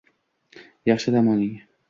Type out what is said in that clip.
Yaxshi dam oling!